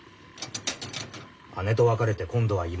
姉と別れて今度は妹。